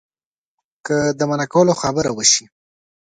که د منع کولو خبره وشي.